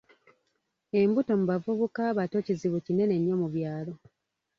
Embuto mu bavubuka abato kizibu kinene nnyo mu byalo.